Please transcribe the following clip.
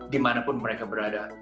dimanapun mereka berada